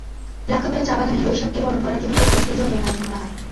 লাক্কাতুরা চা-বাগানে বৈশাখকে বরণ করার জন্য প্রতিবছরই জমজমাট আয়োজন করা হয়।